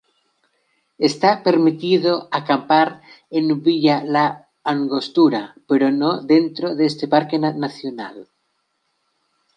Está permitido acampar en Villa La Angostura pero no dentro de este parque nacional.